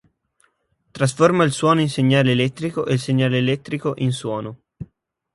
Trasforma il suono in segnale elettrico e il segnale elettrico in suono.